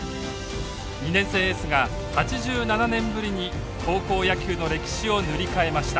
２年生エースが８７年ぶりに高校野球の歴史を塗り替えました。